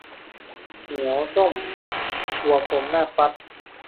เหมียวส้มตัวกลมน่าฟัด